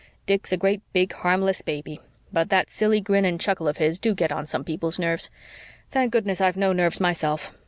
Dick's a great, big, harmless baby, but that silly grin and chuckle of his do get on some people's nerves. Thank goodness, I've no nerves myself.